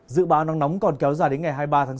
dự báo nắng nóng còn kéo dài đến ngày hai mươi ba tháng bốn